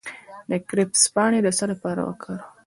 د کرفس پاڼې د څه لپاره وکاروم؟